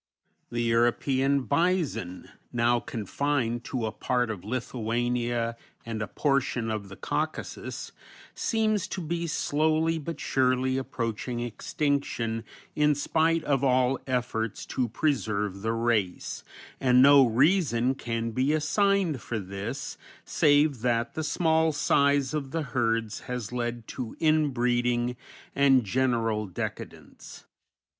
The European bison, now confined to a part of Lithuania and a portion of the Caucasus, seems to be slowly but surely approaching extinction in spite of all efforts to preserve the race, and no reason can be assigned for this save that the small size of the herds has led to inbreeding and general decadence.